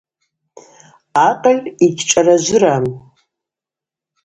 Акъыль йгьшӏаражвырам.